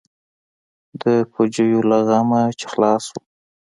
د پوجيو له غمه چې خلاص سو.